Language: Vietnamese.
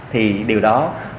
thì điều đó